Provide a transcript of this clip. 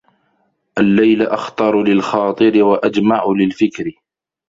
اللَّيْلَ أَخْطَرُ لِلْخَاطِرِ وَأَجْمَعُ لِلْفِكْرِ